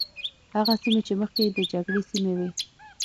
هغه سیمې چې مخکې د جګړې سیمې وي.